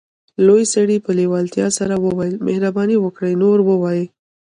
لوی سړي په لیوالتیا سره وویل مهرباني وکړئ نور ووایئ